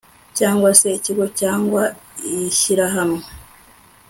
cyangwa se ikigo cyangwa ishyirahamwe